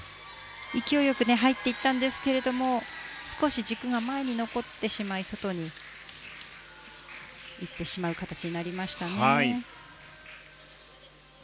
勢いよく入っていったんですけれども少し軸が前に残ってしまい、外に行ってしまう形になりました。